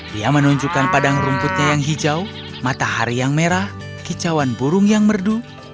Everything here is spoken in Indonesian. dia menunjukkan padang rumputnya yang hijau matahari yang merah kicauan burung yang merdu